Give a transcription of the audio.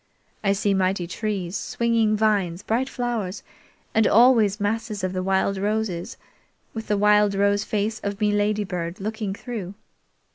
I see mighty trees, swinging vines, bright flowers, and always masses of the wild roses, with the wild rose face of me Ladybird looking through.